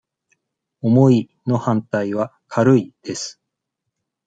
「重い」の反対は「軽い」です。